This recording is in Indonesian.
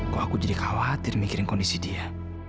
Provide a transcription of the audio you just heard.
kok aku jadi khawatir mikirin kondisi dia